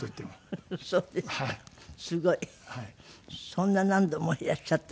そんな何度もいらっしゃった？